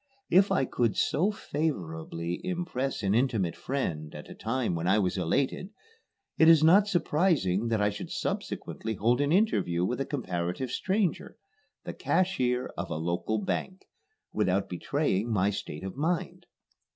If I could so favorably impress an intimate friend at a time when I was elated, it is not surprising that I should subsequently hold an interview with a comparative stranger the cashier of a local bank without betraying my state of mind.